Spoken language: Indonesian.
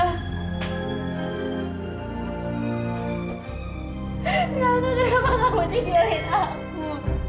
raka kenapa kamu tinggalin aku